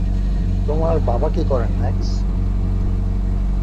তোমার বাবা কি করেন, ম্যাক্স?